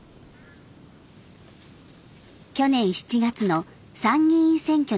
去年７月の参議院選挙の投票日。